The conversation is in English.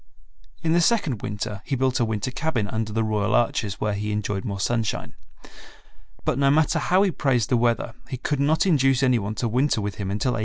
In the second winter he built a winter cabin under the Royal Arches, where he enjoyed more sunshine. But no matter how he praised the weather he could not induce any one to winter with him until 1864.